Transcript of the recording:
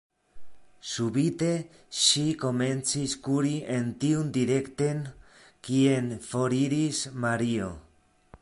Subite ŝi komencis kuri en tiun direkten, kien foriris Mario.